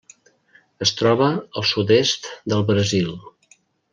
Es troba al sud-est del Brasil.